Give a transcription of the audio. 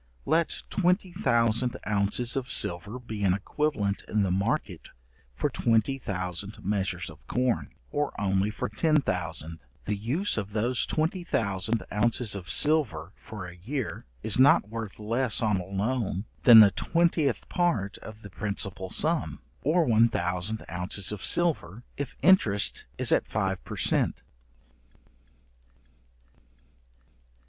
Let twenty thousand ounces of silver be an equivalent in the market for twenty thousand measures of corn, or only for ten thousand, the use of those twenty thousand ounces of silver for a year is not worth less on a loan than the twentieth part of the principal sum, or one thousand ounces of silver, if interest is at five per cent.